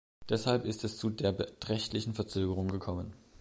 Deshalb ist es zu der beträchtlichen Verzögerung gekommen.